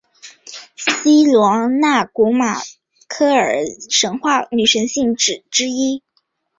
希罗纳古罗马凯尔特神话女性神只之一。